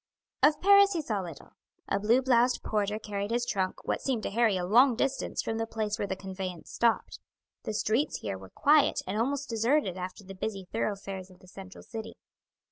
Of Paris he saw little. A blue bloused porter carried his trunk what seemed to Harry a long distance from the place where the conveyance stopped. The streets here were quiet and almost deserted after the busy thoroughfares of the central city.